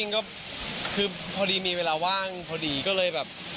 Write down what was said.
ก็คือพอดีมีเวลาว่างพอดีก็เลยแบบ